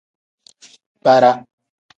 Bara.